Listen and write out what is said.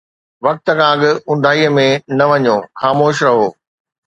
وقت کان اڳ اونداهيءَ ۾ نه وڃو، خاموش رهو